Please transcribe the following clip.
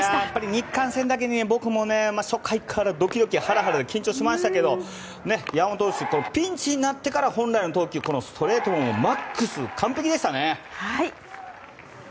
日韓戦なだけに僕も初回からドキドキハラハラで緊張しましたけど山本投手、ピンチになってから本来の投球このストレートもマックス、完璧でしたね！